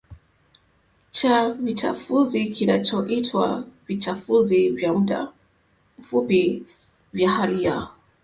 cha vichafuzi kinachoitwa Vichafuzi vya MudaMfupi vya Hali ya